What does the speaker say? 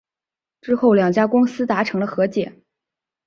之后两家公司达成了和解。